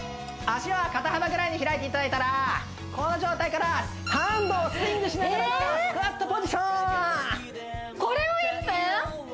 脚は肩幅ぐらいに開いていただいたらこの状態からハンドをスイングしながらのスクワットポジションこれを１分？